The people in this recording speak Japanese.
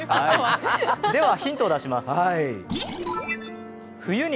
ではヒントを出します。